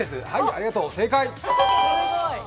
ありがとう、正解！